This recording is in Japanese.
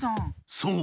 そう。